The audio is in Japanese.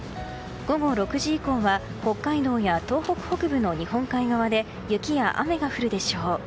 午後６時以降は北海道や東北北部の日本海側で雪や雨が降るでしょう。